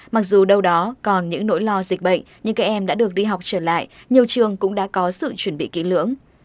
mặc dù đâu đó còn những nỗi lo dịch bệnh nhưng các em đã được đi học trở lại nhiều trường cũng đã có sự chuẩn bị kỹ lưỡng